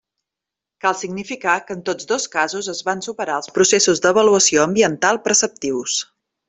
Cal significar que en tots dos casos es van superar els processos d'avaluació ambiental preceptius.